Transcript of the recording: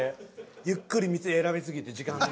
ゆっくり店選び過ぎて時間が。